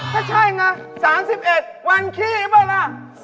ถ้าใช่น่ะ๓๑วันขี้เบิร์ดล่ะ